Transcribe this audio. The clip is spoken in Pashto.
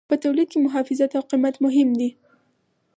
په تولید کې محافظت او قیمت مهم دي.